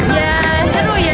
ya seru ya